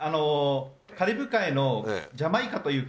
カリブ海のジャマイカという国。